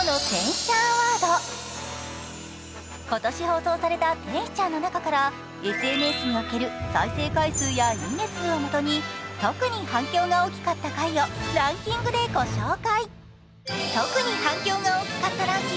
今年放送された天使ちゃんの中からＳＮＳにおける再生回数やいいね数をもとに特に反響が大きかった回をランキングでご紹介。